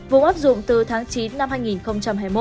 vùng áp dụng từ tháng chín năm hai nghìn hai mươi một